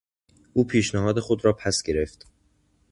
او پیشنهاد خود را پس گرفت.